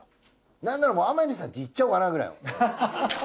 なんならもう天海さんち行っちゃおうかなくらいの。